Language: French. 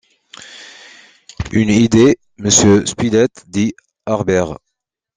Une idée, monsieur Spilett, dit Harbert.